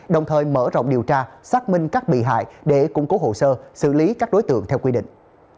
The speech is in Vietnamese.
đồng thời mở rộng điều tra xác minh các bị hại để củng cố hồ sơ xử lý các đối tượng theo quy định